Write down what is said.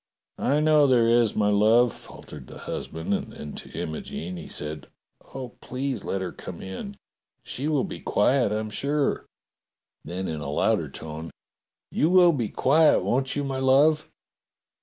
"I know there is, my love," faltered the husband, and then to Imogene he said: "Oh, please let her come in. She will be quiet, I'm sure." Then in a louder tone : "You will be quiet, won't you, my love.